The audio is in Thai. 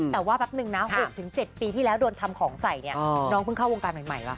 แต่ว่าแป๊บนึงนะ๖๗ปีที่แล้วโดนทำของใส่เนี่ยน้องเพิ่งเข้าวงการใหม่ล่ะ